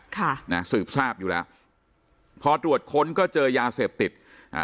ค่ะนะสืบทราบอยู่แล้วพอตรวจค้นก็เจอยาเสพติดอ่า